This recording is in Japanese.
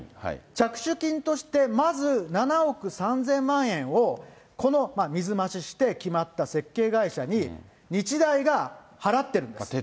着手金として、まず７億３０００万円をこの水増しして決まった設計会社に日大が払ってるんです。